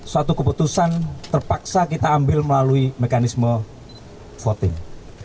suatu keputusan terpaksa kita ambil melalui mekanisme voting